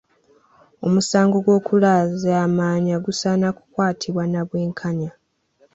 Omusango gw’okulyazaamaanya gusaana kukwatibwa na bwenkanya